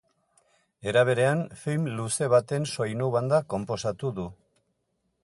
Era berean, film luze baten soinu-banda konposatu du.